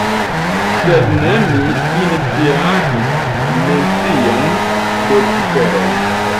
Sed ne mi iniciatis mencion de ciferoj.